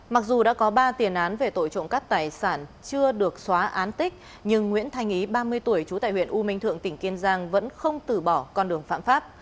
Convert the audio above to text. mặc dù đã có ba tiền án về tội trộm cắp tài sản chưa được xóa án tích nhưng nguyễn thanh ý ba mươi tuổi trú tại huyện u minh thượng tỉnh kiên giang vẫn không từ bỏ con đường phạm pháp